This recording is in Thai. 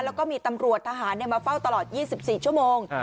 แล้วก็มีตำรวจทหารมาเฝ้าตลอด๒๔ชั่วโมง